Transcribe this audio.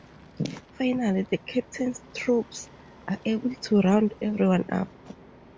Finally, the Captain's troops are able to round everyone up.